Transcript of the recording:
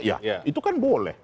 ya itu kan boleh